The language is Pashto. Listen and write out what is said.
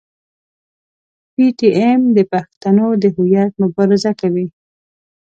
پي ټي ایم د پښتنو د هویت مبارزه کوي.